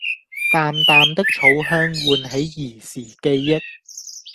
淡淡的草香喚起兒時記憶